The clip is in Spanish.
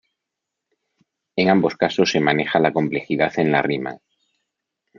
En ambos casos se maneja la complejidad en la rima.